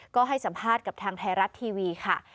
ก็ให้สัมภาษณ์กับทางไทยรัฐทีวีค่ะ